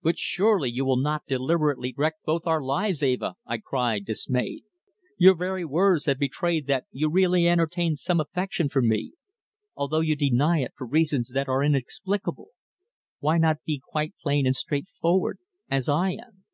"But surely you will not deliberately wreck both our lives, Eva?" I cried, dismayed. "Your very words have betrayed that you really entertain some affection for me, although you deny it for reasons that are inexplicable. Why not be quite plain and straightforward, as I am?"